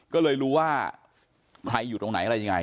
ก็เลยรู้ว่าใครอยู่ตรงไหนอะไรยังไง